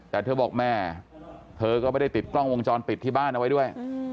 แต่เธอบอกแม่เธอก็ไม่ได้ติดกล้องวงจรปิดที่บ้านเอาไว้ด้วย